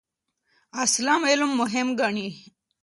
اسلام علم مهم ګڼي.